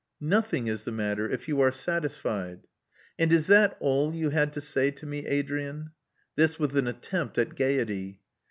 "Nothing is the matter, if you are satisfied." "And is that all you had^ to say to me, Adrian?" This with an attempt at gaiety.